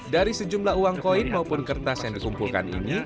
dari sejumlah uang koin maupun kertas yang dikumpulkan ini